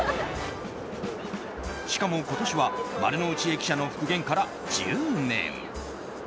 しかも今年は丸の内駅舎の復元から１０周年。